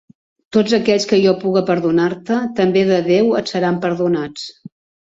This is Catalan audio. Tots aquells que jo puga perdonar-te, també de Déu et seran perdonats.